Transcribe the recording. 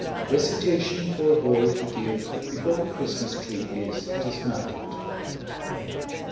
= (Recitation for a boy to give before a Christmas tree is dismantled.)